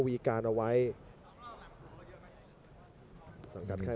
มีความรู้สึกว่า